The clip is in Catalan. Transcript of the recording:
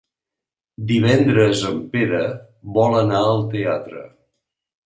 Divendres en Pere vol anar al teatre.